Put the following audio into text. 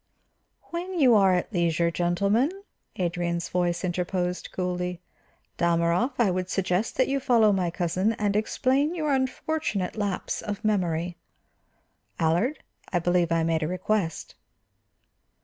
"When you are at leisure, gentlemen," Adrian's voice interposed coolly. "Dalmorov, I would suggest that you follow my cousin and explain your unfortunate lapse of memory. Allard, I believe I made a request."